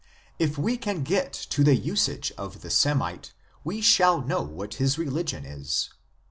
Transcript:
If we can get to the usage of the Semite we shall know what his religion is."